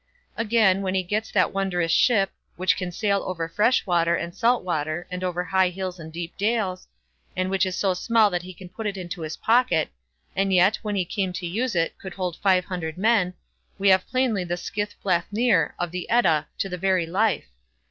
Again, when he gets that wondrous ship "which can sail over fresh water and salt water, and over high hills and deep dales," and which is so small that he can put it into his pocket, and yet, when he came to use it, could hold five hundred men, we have plainly the Skith blathnir of the Edda to the very life.